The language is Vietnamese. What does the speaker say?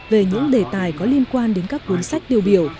về những đề tài có liên quan đến các cuốn sách tiêu biểu